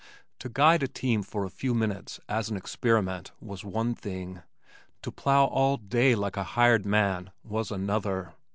To guide a team for a few minutes as an experiment was one thing to plow all day like a hired hand was another.